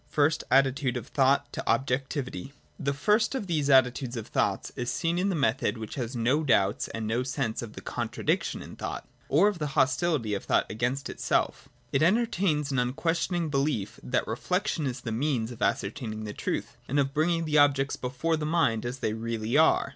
FIRST ATTITUDE OF THOUGHT TO OBJECTIVITY. 26. J The first of these attitudes of thought is seen in the method which has no doubts and no sense of the contradiction in thought, or of the hostihty of thought against itself It entertains an unquestioning belief that reflection is the means of ascertaining the truth, and of Brmging the objects before the mind as they really are.